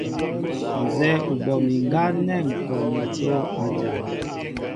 Nzɛ́ɛ́ ú bɔ mi ŋgá nɛ́ ŋ̀ kɔ motó a jan.